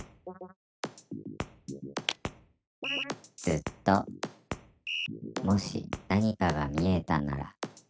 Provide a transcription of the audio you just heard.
「ずっと」「もし何かが見えたなら」